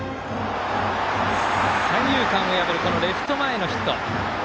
三遊間を破るレフト前へのヒット。